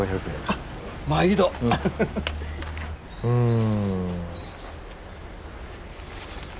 うん。